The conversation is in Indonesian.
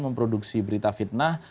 memproduksi berita fitnah